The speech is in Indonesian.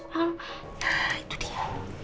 nah itu dia